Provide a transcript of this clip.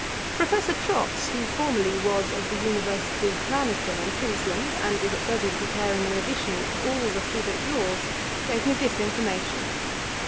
Professor Trotz, who formerly was of the University of Vranyken in Friesland, and is at present preparing an edition of all the Frisick laws, gave me this information.